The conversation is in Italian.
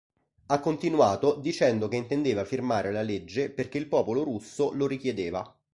Ha continuato dicendo che intendeva firmare la legge perché il popolo russo lo richiedeva.